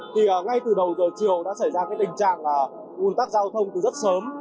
thì ngay từ đầu giờ chiều đã xảy ra tình trạng là nguồn tắc giao thông từ rất sớm